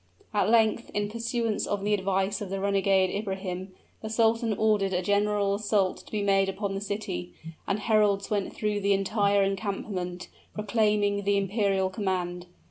At length in pursuance of the advice of the renegade Ibrahim, the sultan ordered a general assault to be made upon the city, and heralds went through the entire encampment, proclaiming the imperial command.